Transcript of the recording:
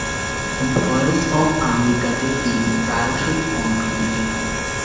Voice of আমেরিকাতে তিনি প্রায়শই কণ্ঠ দিতেন।